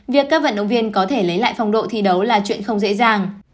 việc các vận động viên có thể lấy lại phong độ thi đấu là chuyện không dễ dàng